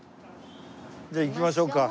じゃあ行きましょうか。